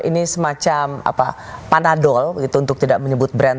ini semacam panadol untuk tidak menyebut brand